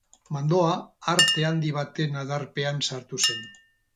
Mandoa arte handi baten adarpean sartu zen.